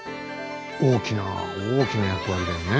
大きな大きな役割だよね。